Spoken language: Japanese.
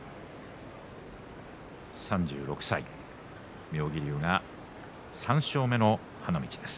３６歳の妙義龍が３勝目の花道です。